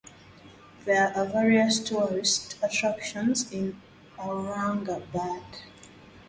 There are various tourist attractions in Aurangabad.